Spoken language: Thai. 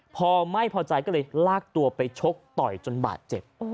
พอไม่พอใจก็เลยลากตัวไปชกต่อยจนบาดเจ็บ